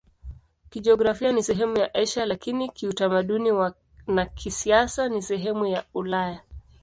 Kijiografia ni sehemu ya Asia, lakini kiutamaduni na kisiasa ni sehemu ya Ulaya.